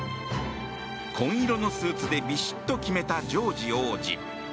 紺色のスーツでびしっと決めたジョージ王子。